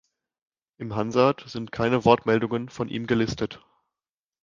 Im Hansard sind keine Wortmeldungen von ihm gelistet.